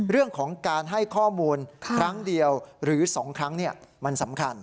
เรื่องของการให้ข้อมูลครั้งเดียวหรือ๒ครั้งมันสำคัญ